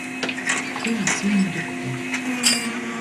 Fait un signe de croix